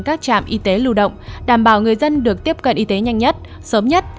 các trạm y tế lưu động đảm bảo người dân được tiếp cận y tế nhanh nhất sớm nhất